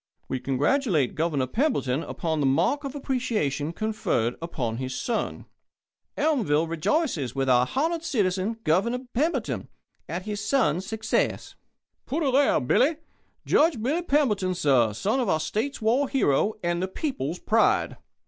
"We congratulate Governor Pemberton upon the mark of appreciation conferred upon his son" "Elmville rejoices with our honoured citizen, Governor Pemberton, at his son's success" "Put her there, Billy!" "Judge Billy Pemberton, sir; son of our State's war hero and the people's pride!"